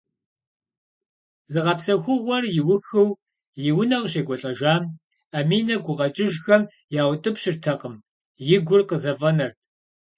Зыгъэпсэхугъуэр иухыу и унэ къыщекӏуэлӏэжам, Аминэ гукъэкӏыжхэм яутӏыпщыртэкъым, и гур къызэфӏэнэрт.